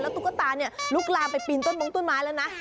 แล้วตุ๊กตาลูกลาไปปีนต้นหลงต้นไม้แล้วนะ